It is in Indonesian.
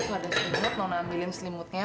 kalau ada sedut nona ambilin selimutnya